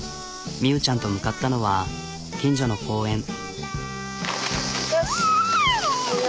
美生ちゃんと向かったのは近所の公園。